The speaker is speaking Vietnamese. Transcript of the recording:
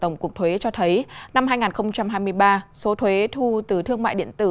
trong cuộc thuế cho thấy năm hai nghìn hai mươi ba số thuế thu từ thương mại điện tử